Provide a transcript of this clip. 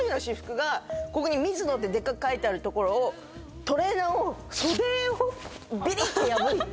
ここに「ＭＩＺＵＮＯ」ってでっかく書いてあるところをトレーナーを袖をビリ！って破いて。